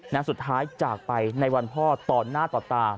สุดท้ายจากไปในวันพ่อต่อหน้าต่อตา